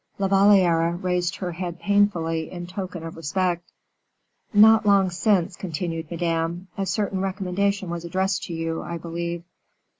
La Valliere raised her head painfully in token of respect. "Not long since," continued Madame, "a certain recommendation was addressed to you, I believe."